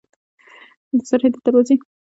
د سرحدي دروازې نوم وادي عرب یا اسحاق رابین وو.